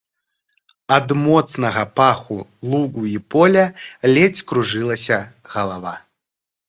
Ад моцнага паху лугу і поля ледзь кружылася галава.